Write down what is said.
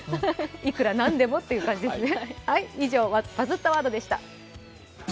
いくらなんでもという感じですね。